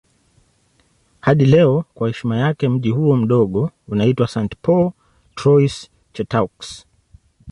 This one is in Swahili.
Hadi leo kwa heshima yake mji huo mdogo unaitwa St. Paul Trois-Chateaux.